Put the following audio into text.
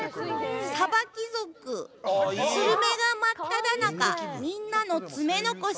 さば貴族、スルメがまっただ中みんなの爪残し。